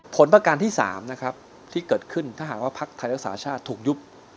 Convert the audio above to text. ผลประการที่สามที่เกิดขึ้นถ้าหากว่าพรรคไทยและสาชาธิ์ถูกยุบ